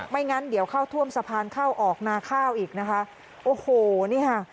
งั้นเดี๋ยวเข้าท่วมสะพานเข้าออกนาข้าวอีกนะคะโอ้โหนี่ค่ะ